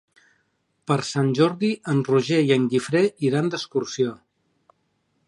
Per Sant Jordi en Roger i en Guifré iran d'excursió.